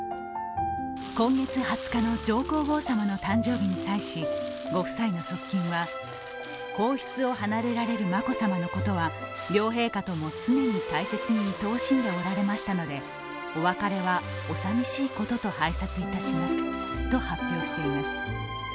今月２０日の上皇后さまの誕生日に際しご夫妻の側近は、皇室を離れられる眞子さまのことは両陛下とも常に大切にいとおしんでおられましたので、お別れはお寂しいことと拝察いたしますと発表しています。